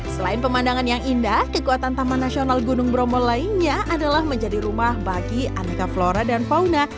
selain pemandangan yang indah kekuatan taman nasional gunung bromo lainnya adalah menjadi rumah bagi aneka flora dan fauna